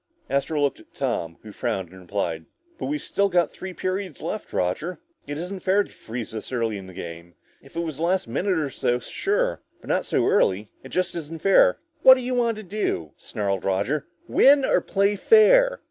Astro looked at Tom, who frowned and replied, "But we've still got three periods left, Roger. It isn't fair to freeze this early in the game. If it was the last minute or so, sure. But not so early. It just isn't fair." "What do you want to do?" snarled Roger. "Win, or play fair?"